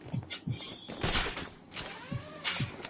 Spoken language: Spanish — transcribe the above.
Se ha manifestado frecuentemente contra el racismo en Brasil.